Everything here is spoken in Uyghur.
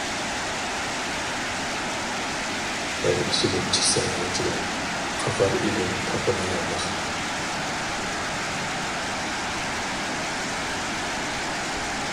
ئەل ئىچىدىن چىقسا نوچىلار، قاقار ئىدىم تاپىنىغا مىخ.